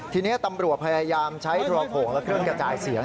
ทีนี้ตำรวจพยายามใช้โทรโขงและเครื่องกระจายเสียง